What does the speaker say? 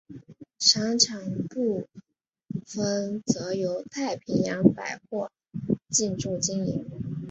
商场部份则由太平洋百货进驻经营。